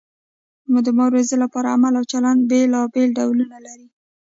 د مبارزې لپاره عمل او چلند بیلابیل ډولونه لري.